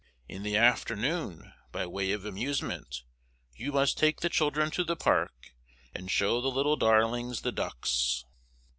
In the afternoon, by way of amusement, you must take the children to the park and show the little darlings the ducks.